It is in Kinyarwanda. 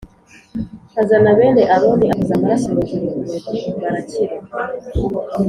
Azana bene Aroni akoza amaraso hejuru kurugi barakira